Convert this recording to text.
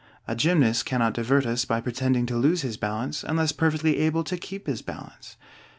A gymnast cannot divert us by pretending to lose his balance unless perfectly able to keep his balance.